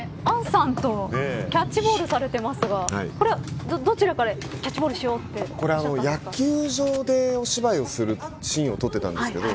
杏さんとキャッチボールされてますがこれ、どちらからこれ、野球場でお芝居をするシーンを撮ってたんですけど